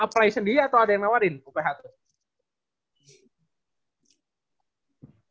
lu uph berarti ini apa apply sendiri atau ada yang nawarin uph tuh